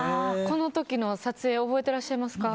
この時の撮影覚えてらっしゃいますか？